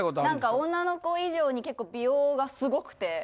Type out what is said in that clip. なんか女の子以上に結構美容がすごくて。